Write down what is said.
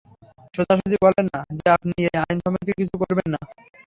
সোজাসুজি বলেন না যে আপনি এই আইন সম্পর্কে কিছু করবেন না?